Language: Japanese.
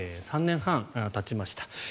３年半たちました。